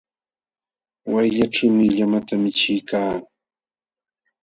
Wayllaćhuumi llamata michiykaa.